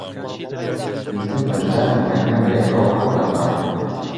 دیتم بەشدار و مەریەم بەیەکەوە هەڵدەپەڕین.